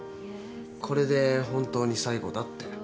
これで本当に最後だって。